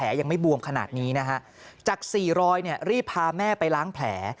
ยังไม่บวมขนาดนี้นะฮะจากสี่รอยเนี่ยรีบพาแม่ไปล้างแผล